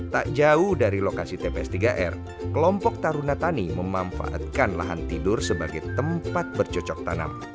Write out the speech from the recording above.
tak jauh dari lokasi tps tiga r kelompok taruna tani memanfaatkan lahan tidur sebagai tempat bercocok tanam